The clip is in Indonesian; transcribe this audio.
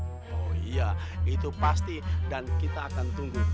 oh iya itu pasti dan kita akan tunggu